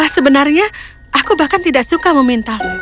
sebenarnya aku bahkan tidak suka meminta